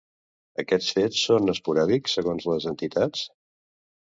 Aquests fets són esporàdics, segons les entitats?